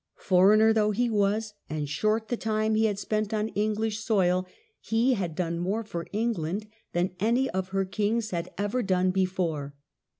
Foreigner though he was, and short the time he had spent on English soil, he had done more for England than any of her kings had ever done before.